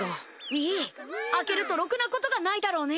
ウィ開けるとろくなことがないだろうね。